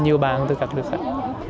nhiều bạn từ các nước khác